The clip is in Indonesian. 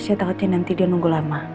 saya takutnya nanti dia nunggu lama